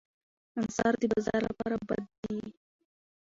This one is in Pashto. انحصار د بازار لپاره بد دی.